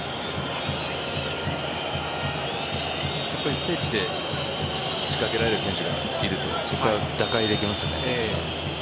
一対一で仕掛けられる選手がいるとそこから打開できますよね。